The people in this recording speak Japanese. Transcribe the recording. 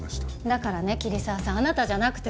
だからね桐沢さんあなたじゃなくてもね。